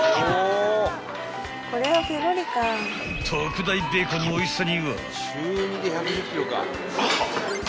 ［特大ベーコンのおいしさには］アハッ。